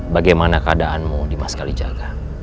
bagaimana keadaanmu di maskalijaga